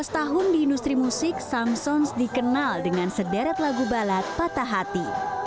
tiga belas tahun di industri musik samson's dikenal dengan sederet lagu balat patah hati